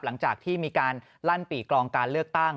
หลังจากที่มีการลั่นปีกรองการเลือกตั้ง